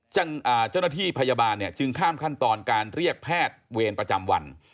เจ้าหน้าที่พยาบาลเนี่ยจึงข้ามขั้นตอนการเรียกแพทย์เวรประจำวัน